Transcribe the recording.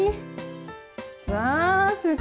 わあすごい。